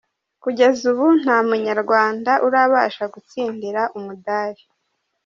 Kugeza ubu nta munyarwanda urabasha gutsindira umudali.